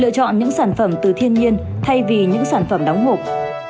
lựa chọn những sản phẩm từ thiên nhiên thay vì những sản phẩm đóng hộp